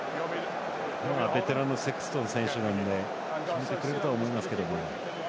ベテランのセクストン選手なので決めてくれるとは思いますが。